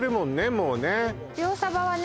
もうね塩サバはね